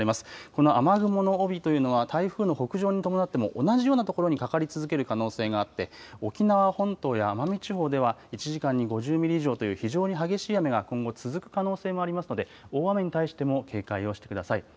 この雨雲の帯というのは台風の北上に伴っても同じような所にかかり続ける可能性があって沖縄本島や奄美地方では１時間に５０ミリ以上という非常に激しい雨が今後、続く可能性もありますので大雨に対しても警戒をしてください。